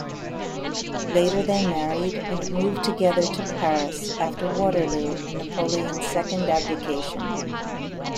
Later they married and moved together to Paris after Waterloo and Napoleon's second abdication.